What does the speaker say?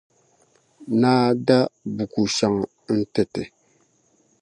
Naa da buku shɛŋa n-ti ti.